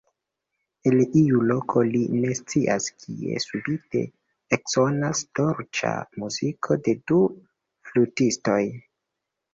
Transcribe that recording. El iu loko, li ne scias kie, subite eksonas dolĉa muziko de du flutistoj.